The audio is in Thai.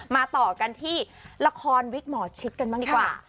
มาต่อกันที่ละครวิกหมอชิดกันบ้างดีกว่า